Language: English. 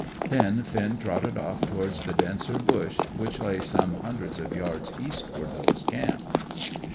Then Finn trotted off towards the denser bush which lay some hundreds of yards eastward of the camp.